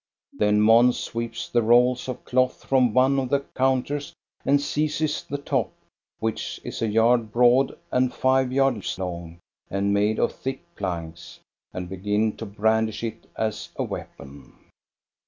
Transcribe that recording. Then Mons sweeps the rolls of cloth from one of the counters, and seizes the top, which is a yard broad and five yards long and made of thick planks, and begins to brandish it as a weapon.